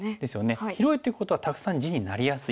広いということはたくさん地になりやすい。